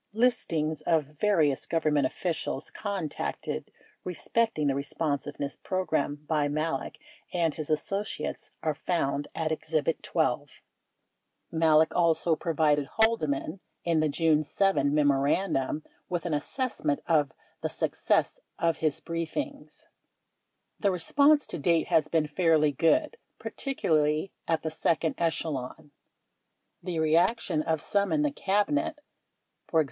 Listings of various Government officials contacted respecting the Responsiveness Program by Malek and his associates are found at Exhibit 12. 5S Malek also provided Haldeman, in the June 7 memorandum, with an assessment of the success of his briefings : The response to date has been fairly good, particularly at the second echelon. The reaction of some in the Cabinet (e.g.